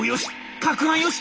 かくはんよし！